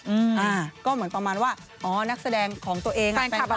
อ่าก็เหมือนประมาณว่าอ๋อนักแสดงของตัวเองแฟนคลับ